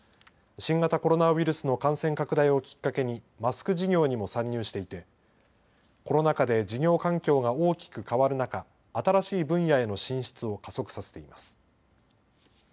新型コロナウイルスの感染拡大をきっかけにマスク事業にも参入していてコロナ禍で事業環境が大きく変わる中、新しい分野への進出を加速させています。